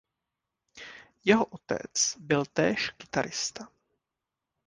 Jeho otec byl též kytarista.